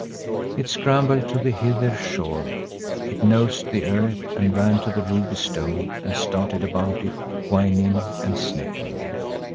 It scrambled to the hither shore, it nosed the earth and ran to the ruby stone and stared about it whining and sniffing.